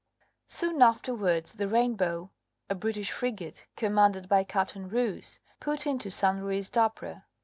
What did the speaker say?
Soon afterwards the Rainbow, a British frigate commanded by Captain Rous, put into San Luis d'Apra.